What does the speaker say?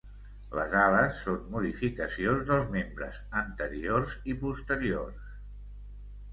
Les ales són modificacions dels membres anteriors i posteriors.